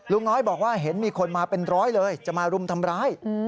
ลุงน้อยบอกว่าเห็นมีคนมาเป็นร้อยเลยจะมารุมทำร้าย